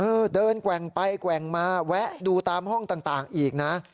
เออเดินแกว่งไปแกว่งมาแวะดูตามห้องต่างอีกนะ